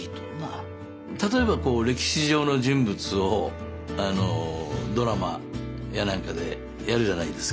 例えばこう歴史上の人物をドラマやなんかでやるじゃないですか。